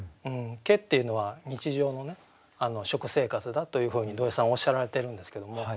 ケっていうのは日常のね食生活だというふうに土井さんおっしゃられてるんですけども。